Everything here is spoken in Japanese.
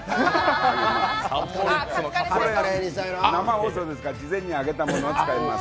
生放送ですから事前に揚げたものを使います。